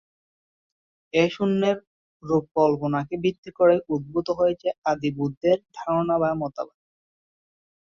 এ শূন্যের রূপকল্পনাকে ভিত্তি করেই উদ্ভূত হয়েছে আদিবুদ্ধের ধারণা বা মতবাদ।